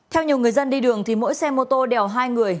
theo nhiều người dân đi đường thì mỗi xe mô tô đèo hai người